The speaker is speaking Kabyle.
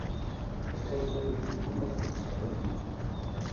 Asayes ur yeddi d gma-s deg usaru-nni.